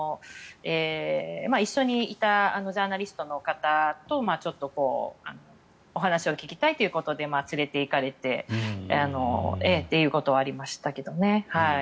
一緒にいたジャーナリストの方とお話を聞きたいということで連れていかれてということはありましたけどね。